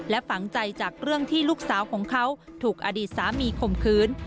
ฝังใจจากเรื่องที่ลูกสาวของเขาถูกอดีตสามีข่มขืน